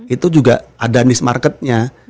itu juga ada niche marketnya